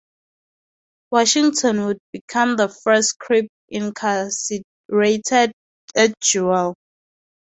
Washington would become the first Crip incarcerated at Deuel.